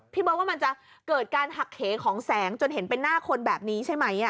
เบิร์ตว่ามันจะเกิดการหักเหของแสงจนเห็นเป็นหน้าคนแบบนี้ใช่ไหม